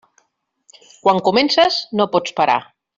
Quan comences, no pots parar.